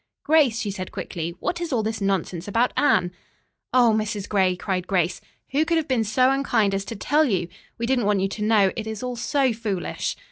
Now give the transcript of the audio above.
"Grace," she said quickly, "what is all this nonsense about Anne?" "O Mrs. Gray," cried Grace. "Who could have been so unkind as to tell you? We didn't want you to know. It is all so foolish."